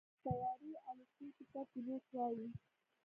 د طیارې الوتونکي ته پيلوټ وایي.